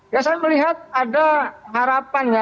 ya saya melihat ada harapan ya